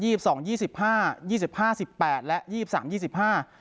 สิบสองยี่สิบห้ายี่สิบห้าสิบแปดและยี่สิบสามยี่สิบห้า